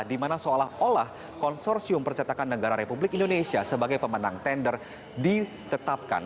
dimana seolah olah konsorsium percetakan negara republik indonesia sebagai pemenang tender ditetapkan